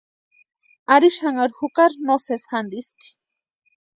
Ari xanharhu jukari no sési jantisti.